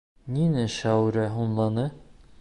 Ниңә Шәүрә һуңланы?